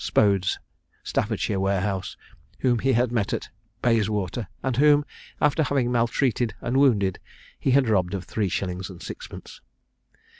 Spode's Staffordshire warehouse, whom he had met at Bayswater, and whom, after having maltreated and wounded, he had robbed of three shillings and sixpence.